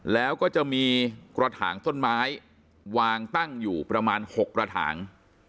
แล้วก็จะมีกระถางต้นไม้วางตั้งอยู่ประมาณ๖กระถาง